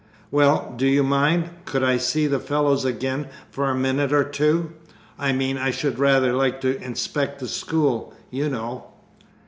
"Well, do you mind could I see the fellows again for a minute or two I mean I should rather like to inspect the school, you know."